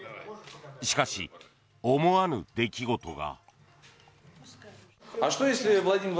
しかし、思わぬ出来事が。